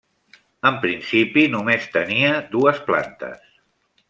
En principi només tenia dues plantes.